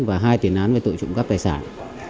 và hai tiền án về tội trộm cắp tài sản